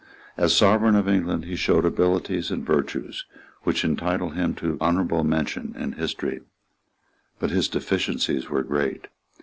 As Sovereign of England, he showed abilities and virtues which entitle him to honourable mention in history; but his deficiencies were great.